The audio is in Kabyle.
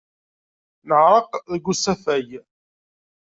Neɛreq deg usafag.